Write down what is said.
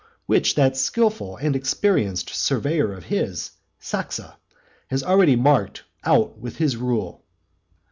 which that skilful and experienced surveyor of his, Saxa, has already marked out with his rule.